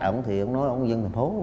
ổng thì nói ổng dân thành phố